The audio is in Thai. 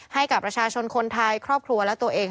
ให้กับประชาชนคนไทยครอบครัวและตัวเอง